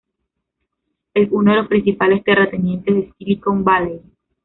Es uno de los principales terratenientes de Silicon Valley.